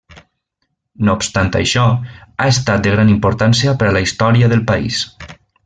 No obstant això, ha estat de gran importància per a la història del país.